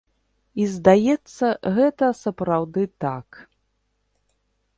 І, здаецца, гэта сапраўды так.